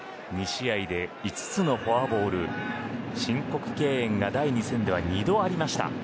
２試合で５つのフォアボール申告敬遠が第２戦では２度ありました。